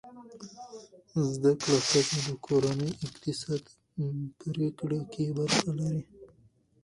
زده کړه ښځه د کورنۍ اقتصادي پریکړې کې برخه لري.